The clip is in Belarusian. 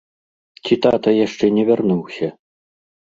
Ці тата яшчэ не вярнуўся?